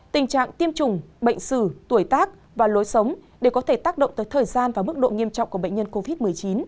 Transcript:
tình trạng tiêm chủng bệnh sử tuổi tác và lối sống đều có thể tác động tới thời gian và mức độ nghiêm trọng của bệnh nhân covid một mươi chín